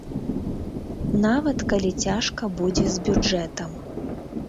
Нават калі цяжка будзе з бюджэтам.